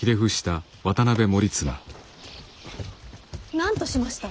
なんとしました？